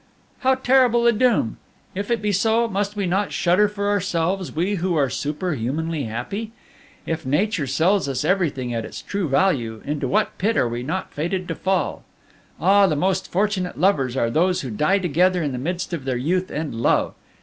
"How terrible a doom! If it be so, must we not shudder for ourselves, we who are superhumanly happy? If nature sells us everything at its true value, into what pit are we not fated to fall? Ah! the most fortunate lovers are those who die together in the midst of their youth and love!